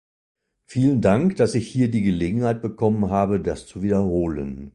Vielen Dank, dass ich hier die Gelegenheit bekommen habe, das zu wiederholen.